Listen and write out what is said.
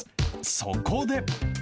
そこで。